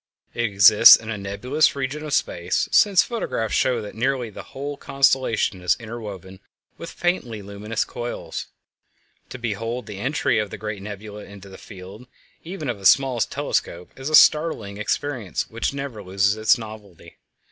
It exists in a nebulous region of space, since photographs show that nearly the whole constellation is interwoven with faintly luminous coils. To behold the entry of the great nebula into the field even of a small telescope is a startling experience which never loses its novelty.